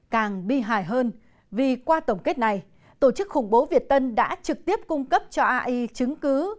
càng bi hài hơn vì qua tổng kết này tổ chức khủng bố việt tân đã trực tiếp cung cấp cho ai chứng cứ